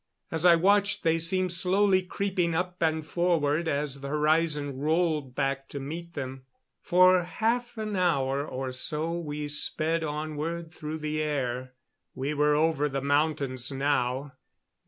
As I watched they seemed slowly creeping up and forward as the horizon rolled back to meet them. For half an hour or so we sped onward through the air. We were over the mountains now.